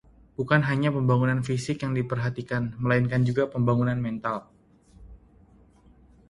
bukan hanya pembangunan fisik yang diperhatikan, melainkan juga pembangunan mental